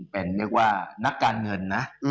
เป็นเรียกว่านักการเงินนะ